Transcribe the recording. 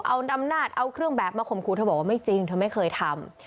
เอานำเอาเครื่องแบบมาข่มขู่เธอบอกว่าไม่จริงเธอไม่เคยทำ